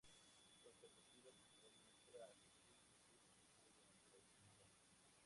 Con perspectiva central muestra a Jesús y sus discípulos durante la Última Cena.